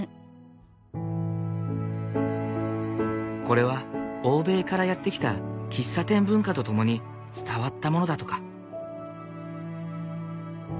これは欧米からやって来た喫茶店文化と共に伝わったものだとか。